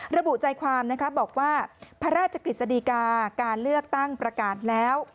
ระบุใจความนะคะบอกว่าพระราชกฤษฎีกาการเลือกตั้งประกาศแล้ว